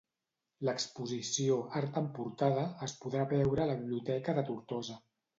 L'exposició "Art en portada" es podrà veure a la Biblioteca de Tortosa.